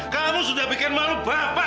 kamu sudah bikin malu bapak